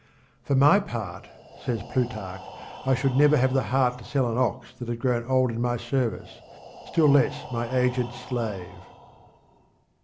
"For my part," says Plutarch, "I should never have the heart to sell an ox that had grown old in my service, still less my aged slave."